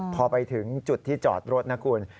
พอไปถึงจุดที่จอดรถนะคุณ